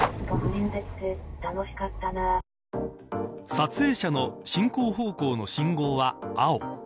撮影者の進行方向の信号は青。